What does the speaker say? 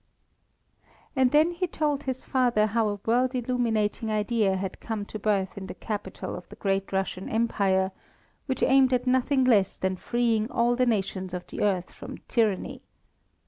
And then he told his father how a world illuminating idea had come to birth in the capital of the great Russian empire, which aimed at nothing less than freeing all the nations of the earth from tyranny.